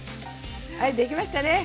はいできましたね。